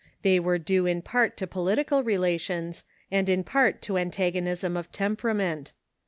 They were due in jiart to political relations, and in part to antagonism of temperament.